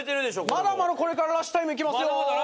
まだまだこれからラッシュタイムいきますよ。